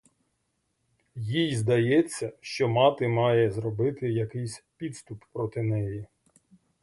Їй здається, що мати має зробити якийсь підступ проти неї.